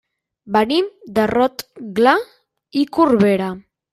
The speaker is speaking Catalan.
Venim de Rotglà i Corberà.